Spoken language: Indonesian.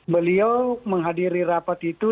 beliau menghadiri rapat itu